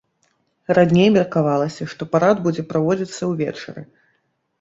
Раней меркавалася, што парад будзе праводзіцца ўвечары.